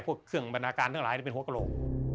พวกเครื่องบรรณาการทั้งหลายเป็นหัวกระโหลก